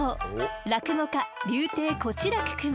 落語家柳亭小痴楽くん。